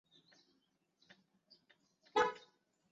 其中还办理与浙江第一码头的水铁转运业务。